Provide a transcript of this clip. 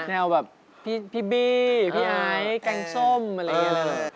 แนวแบบพี่บี้พี่ไอ้แกงส้มอะไรอย่างนี้